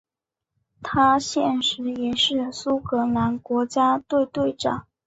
他现时也是苏格兰国家队队长。